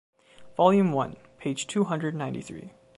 Volume one, page two hundred ninety-three.